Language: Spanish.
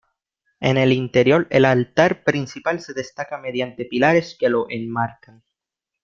En el interior, el altar principal se destaca mediante pilares que lo enmarcan.